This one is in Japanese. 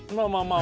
あ